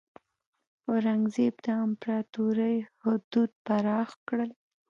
اورنګزیب د امپراتورۍ حدود پراخ کړل.